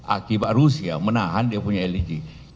akibat rusia menahan dia punya leg